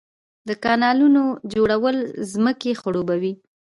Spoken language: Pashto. د کانالونو جوړول ځمکې خړوبوي